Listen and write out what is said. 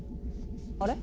あれ？